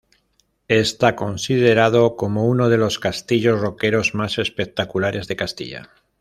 Está considerado como uno de los castillos roqueros más espectaculares de Castilla.